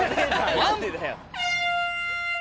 何でだよ。